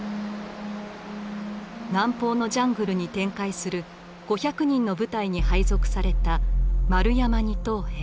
南方のジャングルに展開する５００人の部隊に配属された丸山二等兵。